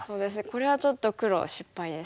これはちょっと黒失敗ですか。